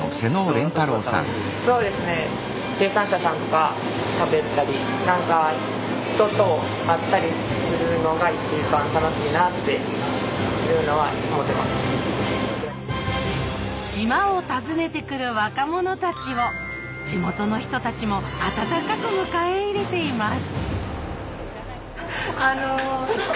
そうですね島を訪ねてくる若者たちを地元の人たちも温かく迎え入れています。